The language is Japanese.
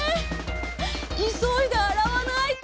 いそいであらわないと！